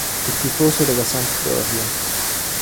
È tifoso della Sampdoria.